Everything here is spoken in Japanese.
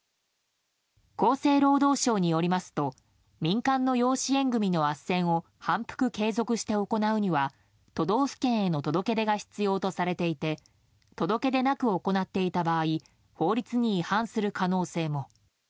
厚生労働省によりますと民間の養子縁組のあっせんを反復継続して行うには都道府県への届け出が必要とされていて届け出なく行っていた場合法律に違反する可能性も。